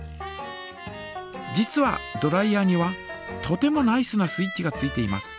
実はドライヤーにはとてもナイスなスイッチがついています。